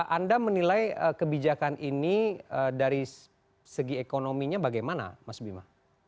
anda menilai kebijakan ini dari segi ekonominya bagaimana mas bima